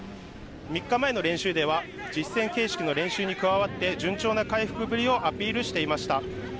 ３日前の練習では、実戦形式の練習に加わって、順調な回復ぶりをアピールしていました。